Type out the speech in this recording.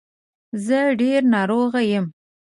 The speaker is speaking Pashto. زه ډېر ناروغ یم.